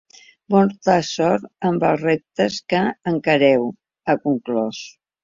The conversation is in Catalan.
Molta sort en els reptes que encareu, ha conclòs.